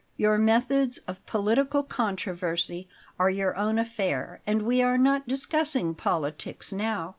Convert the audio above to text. Your methods of political controversy are your own affair, and we are not discussing politics now.